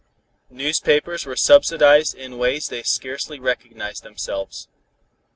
Newspapers were subsidized in ways they scarcely recognized themselves.